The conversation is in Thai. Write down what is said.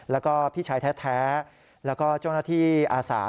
แล้วก็พี่ชายแท้แล้วก็เจ้าหน้าที่อาสา